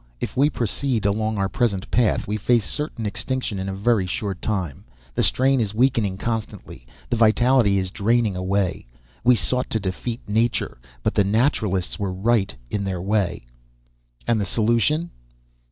If we proceed along our present path, we face certain extinction in a very short time. The strain is weakening constantly, the vitality is draining away. We sought to defeat Nature but the Naturalists were right, in their way." "And the solution?"